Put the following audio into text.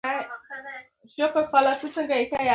تعلیم د نجونو راتلونکی نسل پیاوړی کوي.